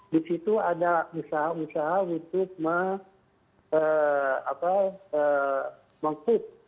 di situ ada usaha usaha untuk mengkub